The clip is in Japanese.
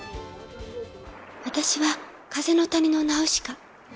私は風の谷のナウシカ。